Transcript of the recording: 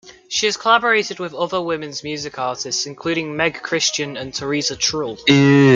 She has collaborated with other women's music artists, including Meg Christian and Teresa Trull.